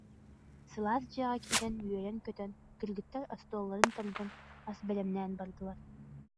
Сылаас дьиэҕэ киирэн үөрэн-көтөн кыргыттар остуолларын тардан, ас бэлэмнээн бардылар